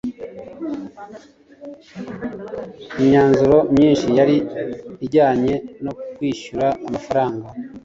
imyanzuro myinshi yari ijyanye no kwishyura amafaranga